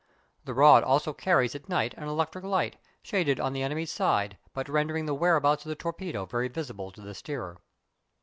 The rod also carries at night an electric light, shaded on the enemy's side, but rendering the whereabouts of the torpedo very visible to the steerer.